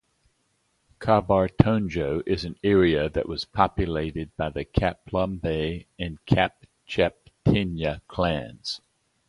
Kabartonjo is an area that was populated by the Kaplumbei and Kapcheptinya clans.